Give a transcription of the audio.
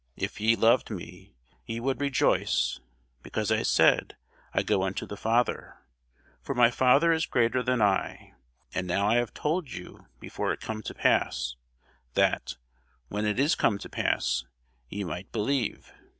If ye loved me, ye would rejoice, because I said, I go unto the Father: for my Father is greater than I. And now I have told you before it come to pass, that, when it is come to pass, ye might believe.